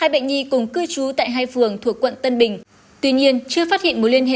hai bệnh nhi cùng cư trú tại hai phường thuộc quận tân bình tuy nhiên chưa phát hiện mối liên hệ